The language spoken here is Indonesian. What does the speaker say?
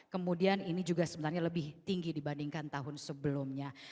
kemudian ini juga sebenarnya lebih tinggi dibandingkan tahun sebelumnya